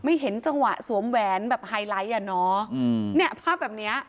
เห็นจังหวะสวมแหวนแบบไฮไลท์อ่ะเนอะอืมเนี่ยภาพแบบเนี้ย